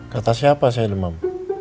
kata siapa saya demam